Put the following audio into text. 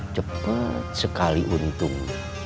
cepet sekali untung